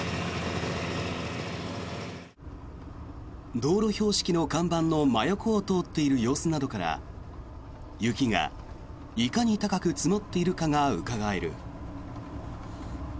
道路標識の看板の真横を通っている様子などから雪がいかに高く積もっているかがうかがえる。